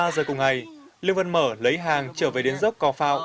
hai mươi ba giờ cùng ngày lương văn mở lấy hàng trở về đến dốc cò phạo